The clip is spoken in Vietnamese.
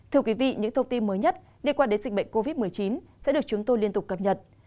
thưa quý vị những thông tin mới nhất liên quan đến dịch bệnh covid một mươi chín sẽ được chúng tôi liên tục cập nhật